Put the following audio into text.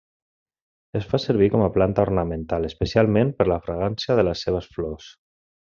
Es fa servir com planta ornamental especialment per la fragància de les seves flors.